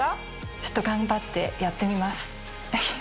ちょっと頑張ってやってみます。